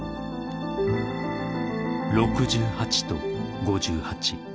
［６８と５８］